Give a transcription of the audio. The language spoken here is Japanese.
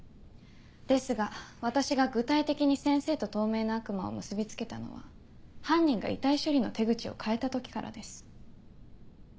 ですが私が具体的に先生と透明な悪魔を結び付けたのは犯人が遺体処理の手口を変えた時からです。